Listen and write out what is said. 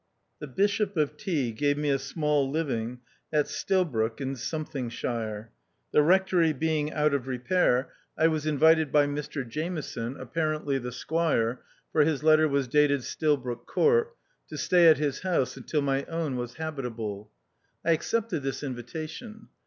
The Bishop of T gave me a small living at Stilbroke in shire. The rectory being out of repair, I was invited 7© THE OUTCAST. by Mr Jameson, apparently the squire, for his letter was dated Stilbroke Court, to stay at his house until my own was habit able. I accepted this invitation.